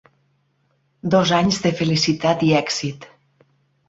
Dos anys de felicitat i èxit.